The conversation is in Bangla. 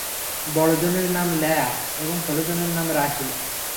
বড়জনের নাম লায়্যা এবং ছোটজনের নাম রাহীল।